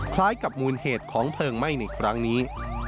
คล้ายกับมูลเหตุของเพลิงไหม้ในครั้งนี้